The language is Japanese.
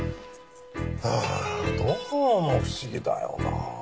はあどうも不思議だよなあ。